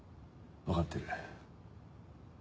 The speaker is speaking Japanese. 分かってる。